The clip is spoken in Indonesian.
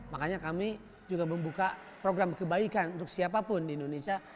makanya kami juga membuka program kebaikan untuk siapapun di indonesia